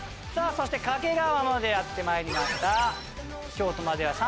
そして掛川までやってまいりました。